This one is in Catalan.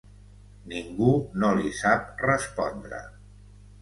Ningú no li sap respondre.